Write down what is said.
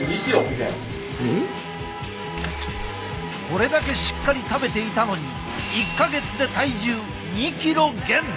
これだけしっかり食べていたのに１か月で体重２ｋｇ減！